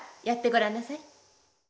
やってごらんなさい。